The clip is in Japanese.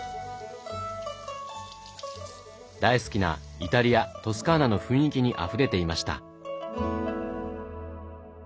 大好きなイタリアトスカーナの雰囲気にあふれていました。